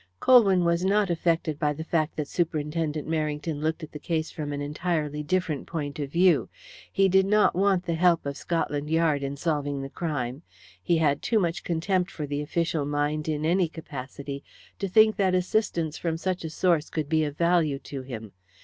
Colwyn was not affected by the fact that Superintendent Merrington looked at the case from an entirely different point of view. He did not want the help of Scotland Yard in solving the crime. He had too much contempt for the official mind in any capacity to think that assistance from such a source could be of value to him.